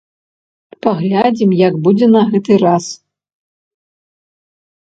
Паглядзім як будзе на гэты раз.